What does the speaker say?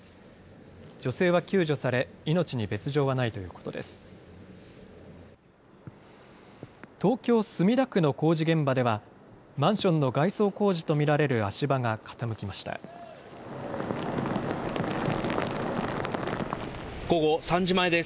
女性は救助され命に別状はないということです。